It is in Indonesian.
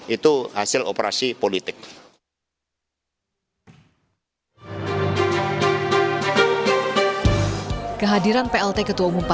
itu hasil operasi politik